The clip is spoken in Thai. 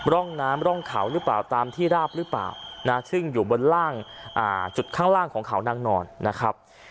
ร่องน้ำร่องเขาหรือเปล่าตามที่ราบหรือเปล่านะซึ่งอยู่บนล่างจุดข้างล่างของเขานางนอนนะครับ